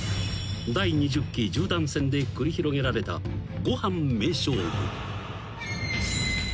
［第２０期十段戦で繰り広げられたごはん名勝負］